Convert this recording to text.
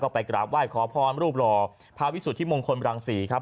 ก็ไปกราบว่ายขอพรรณรูปรอพาวิสุทธิ์ที่มงคลรังศรีครับ